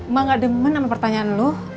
mak gak demen sama pertanyaan lo